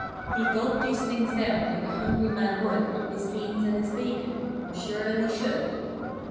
He gulped these things down like a hungry man would His beans and his bacon. Was sure that he should.